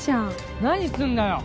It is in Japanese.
何すんだよ！？